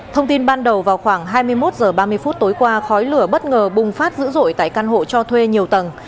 thông tin ban đầu vào khoảng hai mươi một h ba mươi phút tối qua khói lửa bất ngờ bùng phát dữ dội tại căn hộ cho thuê nhiều tầng